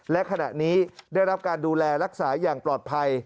และขณะนี้ได้รับการดูแลรักษาอย่างปลอดภัย